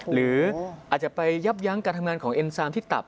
หรืออาจจะไปยับยั้งการทำงานของเอ็นซามที่ตับ